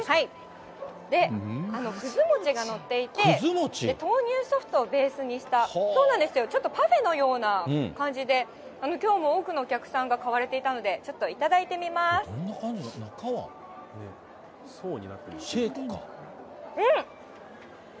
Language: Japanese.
くず餅が載っていて、豆乳ソフトをベースにしたちょっとパフェのような感じで、きょうも多くのお客さんが買われていたので、ちょっと頂いてみまどんな感じ？